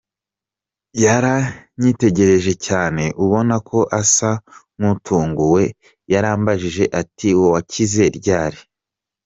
Yaranyitegereje cyane ubona ko asa nk’utunguwe, yarambajije ati: wakize ryari?